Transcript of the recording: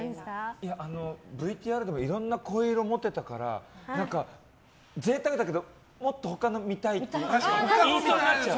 ＶＴＲでもいろんな声色持ってたから贅沢だけどもっと他のを見たいって言いそうになっちゃう。